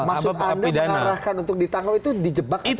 maksud anda mengarahkan untuk ditangkap itu di jebak atau gimana